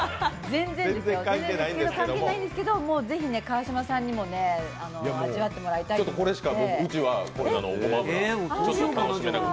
全然ですよ、全然関係ないんですけど、ぜひ川島さんにも味わっていただきたくて。